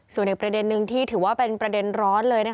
ส่วนอีกประเด็นนึงที่ถือว่าเป็นประเด็นร้อนเลย